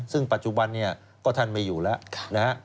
ซึ่งปัจจุบันก็ท่านไม่อยู่แล้ว